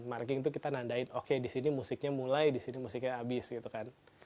marking itu kita nandain oke disini musiknya mulai disini musiknya habis gitu kan